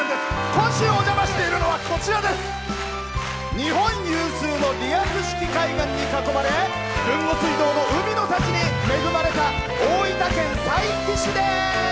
今週お邪魔しているのは日本有数のリアス式海岸に囲まれ豊後水道の海の幸に恵まれた大分県佐伯市です。